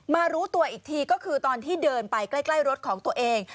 รู้ตัวอีกทีก็คือตอนที่เดินไปใกล้รถของตัวเอง